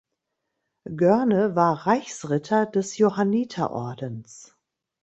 Goerne war Reichsritter des Johanniterordens.